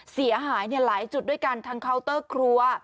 เสียหายหลายจุดด้วยกันทั้งเคาน์เตอร์ครัว